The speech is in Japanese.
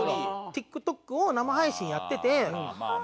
ＴｉｋＴｏｋを生配信やってて。